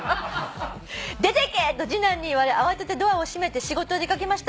「『出てけ！』と次男に言われ慌ててドアを閉めて仕事に出掛けました」